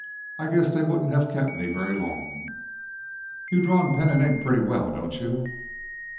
I guess they wouldn't have kept me very long." "You draw in pen and ink pretty well, don't you?"